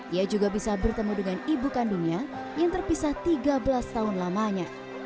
ia juga bisa bertemu dengan ibu kandungnya yang terpisah tiga belas tahun lamanya